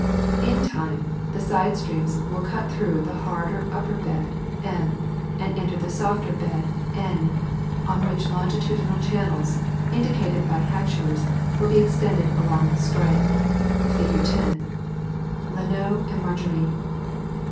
In time, the side streams will cut through the harder upper bed M and enter the softer bed N, on which longitudinal channels, indi cated by hachures, will be extended along the strike, fig. 10 (La Noe and Margerie).